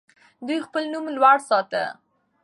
دوی خپل نوم لوړ ساته.